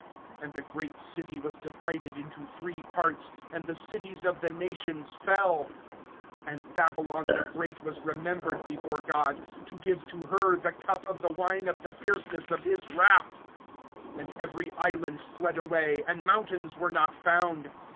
(19)And the great city was divided into three parts, and the cities of the nations fell; and Babylon the great was remembered before God, to give to her the cup of the wine of the fierceness of his wrath. (20)And every island fled away, and mountains were not found.